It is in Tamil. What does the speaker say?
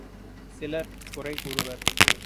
சிலர் குறை கூறுவர்.